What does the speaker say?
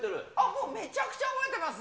もうめちゃくちゃ覚えてます。